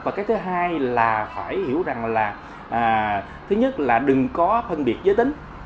và cái thứ hai là phải hiểu rằng là thứ nhất là đừng có phân biệt giới tính